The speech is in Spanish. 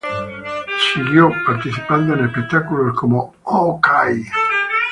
Siguió participando en espectáculos como "Oh, Kay!